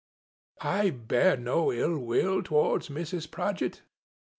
" I bear no ill will towards Mrs. Prodgit.